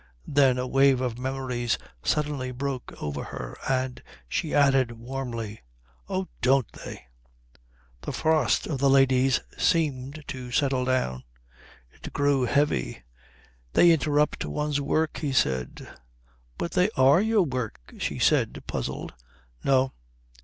Then a wave of memories suddenly broke over her, and she added warmly "Oh don't they!" The frost of the ladies seemed to settle down. It grew heavy. "They interrupt one's work," he said. "But they are your work," she said, puzzled. "No."